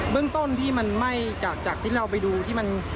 เรื่องต้นพี่มันไหม้จากที่เราไปดูที่มัน